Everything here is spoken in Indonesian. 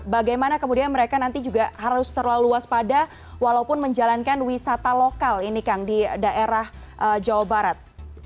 bagaimana kemudian mereka nanti juga harus terlalu waspada walaupun menjalankan wisata lokal ini kang di daerah jawa barat